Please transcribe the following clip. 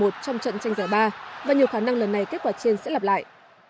trong trận tranh giải ba và nhiều khả năng lần này kết quả trên sẽ lặp lại